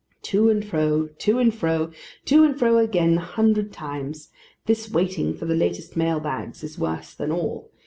To and fro, to and fro, to and fro again a hundred times! This waiting for the latest mail bags is worse than all.